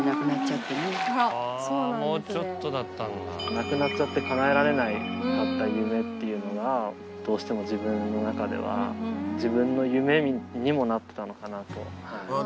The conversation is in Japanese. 亡くなっちゃって叶えられなかった夢っていうのがどうしても自分の中では自分の夢にもなってたのかなと。